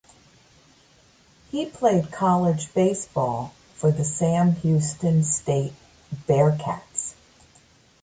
He played college baseball for the Sam Houston State Bearkats.